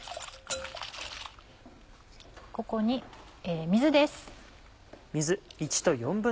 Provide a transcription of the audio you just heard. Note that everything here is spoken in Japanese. ここに水です。